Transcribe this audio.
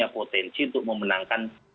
potensi untuk memenangkan